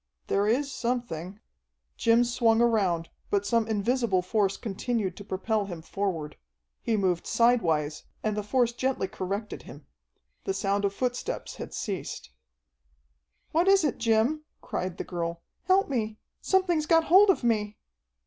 "There is something " Jim swung around, but some invisible force continued to propel him forward. He moved sidewise, and the force gently corrected him. The sound of footsteps had ceased. "What is it, Jim?" cried the girl. "Help me! Something's got hold of me!"